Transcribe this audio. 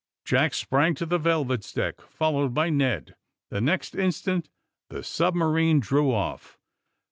Jack sprang to the ^^ Velvet's" deck, followed by Ned. The next instant the submarine drew off.